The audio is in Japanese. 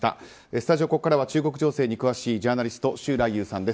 スタジオ、ここからは中国情勢に詳しいジャーナリスト周来友さんです。